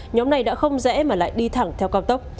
nhóm này đã không rẽ mà lại đi thẳng theo cao tốc